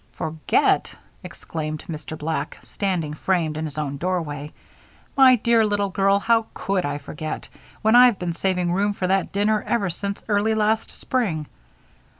"Forget!" exclaimed Mr. Black, standing framed in his own doorway. "My dear little girl, how could I forget, when I've been saving room for that dinner ever since early last spring?